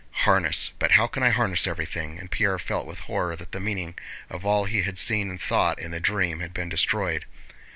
Harness, but how can I harness everything?" and Pierre felt with horror that the meaning of all he had seen and thought in the dream had been destroyed.